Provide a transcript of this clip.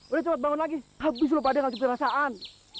udah cepet bangun lagi habis lu pada nggak ada perasaan